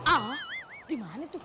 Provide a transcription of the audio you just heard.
ah di mana tuh